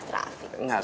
dan mas rafi